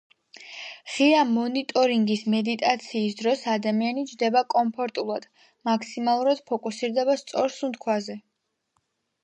ღია მონიტორინგის მედიტაციის დროს ადამიანი ჯდება კომფორტულად, მაქსიმალურად ფოკუსირდება სწორ სუნთქვაზე.